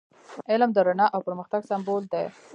علم د رڼا او پرمختګ سمبول دی.